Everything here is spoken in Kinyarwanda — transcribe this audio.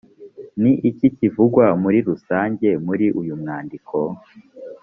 ni iki kivugwa muri rusange muri uyu mwandiko.